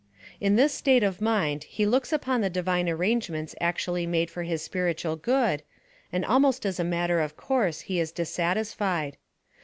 In this state of mind he looks upon the divine arrange ments actually made for his spiriturl good, and almost INTRODUCTION. 3] as a matter of course, he is dissatisfied.